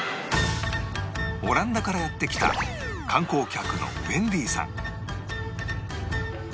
オランダからやって来た観光客のウェンディさん